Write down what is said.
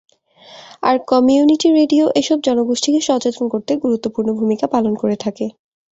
আর community radio এসব জনগোষ্ঠীকে সচেতন করতে গুরুত্বপূর্ণ ভূমিকা পালন করে থাকে।